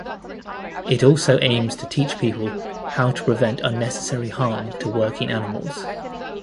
It also aims to teach people how to prevent unnecessary harm to working animals.